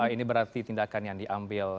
ini berarti tindakan yang diambil